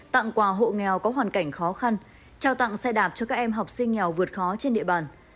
tặng quà hộ nghèo có hoàn cảnh khó khăn trao tặng xe đạp cho các em học sinh nghèo vượt khó trên địa bàn